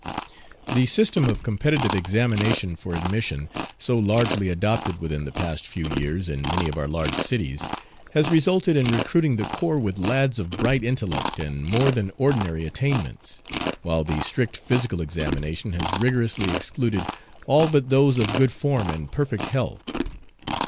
The system of competitive examination for admission, so largely adopted within the past few years in many of our large cities, has resulted in recruiting the corps with lads of bright intellect and more than ordinary attainments, while the strict physical examination has rigorously excluded all but those of good form and perfect health.